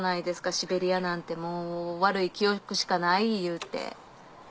シベリアなんてもう悪い記憶しかないいうて。